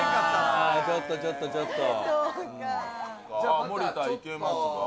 ちょっとちょっとちょっと森田いけますか？